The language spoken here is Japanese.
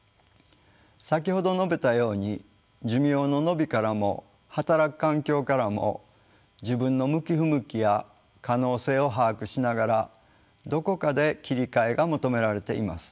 先ほど述べたように寿命の延びからも働く環境からも自分の向き不向きや可能性を把握しながらどこかで切り替えが求められています。